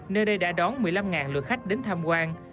nơi đây đã đón một mươi năm lượt khách đến tham quan